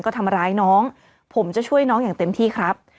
ก็ทำร้ายน้องผมจะช่วยน้องอย่างเต็มที่ครับ